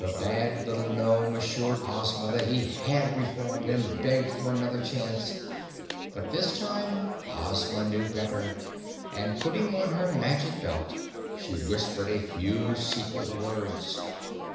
The bad little gnome assured Ozma that he had reformed and begged for another chance, but this time Ozma knew better, and putting on her Magic Belt she whispered a few secret words.